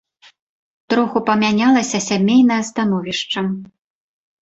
Троху памянялася сямейнае становішча.